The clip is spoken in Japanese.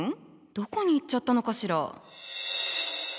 どこに行っちゃったのかしら？